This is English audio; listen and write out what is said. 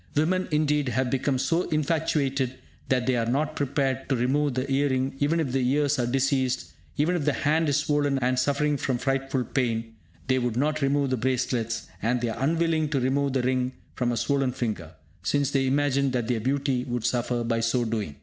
Women, indeed, have become so infatuated that they are not prepared to remove the ear ring even if the ears are diseased; even if the hand is swollen and suffering from frightful pain, they would not remove the bracelets; and they are unwilling to remove the ring from a swollen finger, since they imagine that their beauty would suffer by so doing!